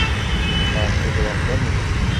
Macide cevap vermedi.